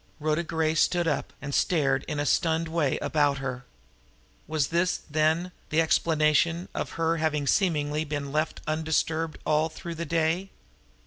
Rhoda Gray stood up, and stared in a stunned way about her. Was this, then, the explanation of her having seemingly been left undisturbed here all through the day?